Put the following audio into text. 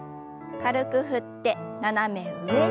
軽く振って斜め上に。